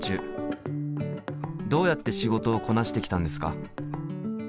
どうやって仕事をこなしてきたんですか？